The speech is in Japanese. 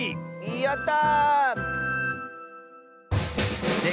やった！